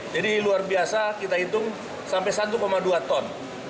jadi luar biasa kita hitung sampai satu dua ton